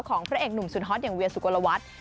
ของพระเอกหนุ่มสุดฮอตอย่างเวียสุโกะละวัด